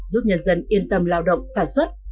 giúp nhân dân yên tâm lao động sản xuất